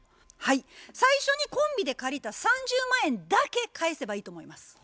はい最初にコンビで借りた３０万円だけ返せばいいと思います。